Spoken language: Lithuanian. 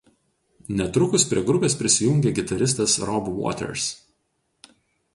Netrukus prie grupės prisijungė gitaristas Rob Waters.